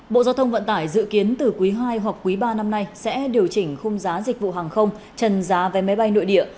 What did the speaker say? bộ giao thông vận tải dự kiến từ quý ii hoặc quý ba năm nay sẽ điều chỉnh khung giá dịch vụ hàng không trần giá vé máy bay nội địa